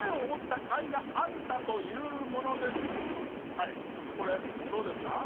はいこれどうですか？